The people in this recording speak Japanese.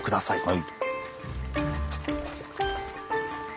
はい。